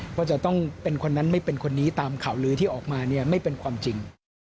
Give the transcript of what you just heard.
ว่าจะต้องเป็นคนนั้นไม่เป็นคนนี้ตามข่าวลื้อที่ออกมาเนี่ยไม่เป็นความจริง